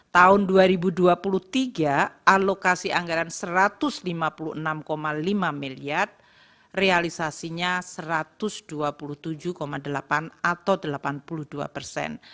tahun dua ribu dua puluh tiga alokasi anggaran satu ratus lima puluh enam lima miliar realisasinya satu ratus dua puluh tujuh delapan atau delapan puluh dua persen